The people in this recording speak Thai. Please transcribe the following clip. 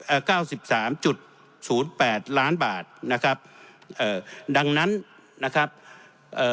เก้าสิบสามจุดศูนย์แปดล้านบาทนะครับเอ่อดังนั้นนะครับเอ่อ